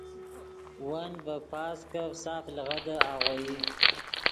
ون ڤے پازکف ساف لیغدے آغوئی